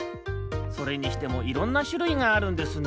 それにしてもいろんなしゅるいがあるんですね。